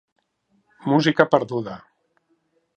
Música perduda.